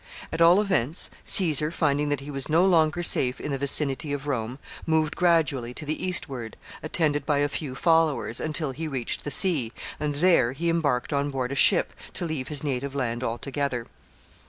At all events, Caesar, finding that he was no longer safe in the vicinity of Rome, moved gradually to the eastward, attended by a few followers, until he reached the sea, and there he embarked on board a ship to leave his native land altogether.